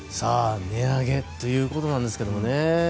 値上げということなんですけどね。